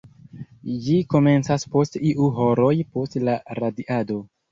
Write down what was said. Ĝi komencas post iu horoj post la radiado.